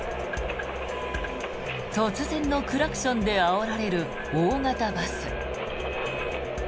突然のクラクションであおられる大型バス。